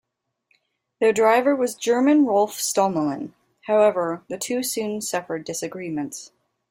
Their driver was German Rolf Stommelen, however the two soon suffered disagreements.